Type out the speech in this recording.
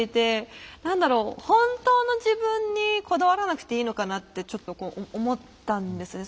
本当の自分にこだわらなくていいのかなってちょっと思ったんですね。